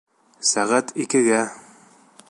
Сәғәт икегә!